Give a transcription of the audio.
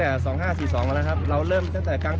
ถ้าไม่มีนวัยงานที่ไหนเขามาสนับสนุนเราเราไม่กล้าทำหรอกใช่ไหม